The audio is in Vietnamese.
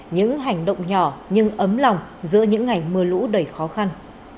những hành động nhỏ nhưng ấm lòng giữa những ngày mưa lũ đầy khó khăn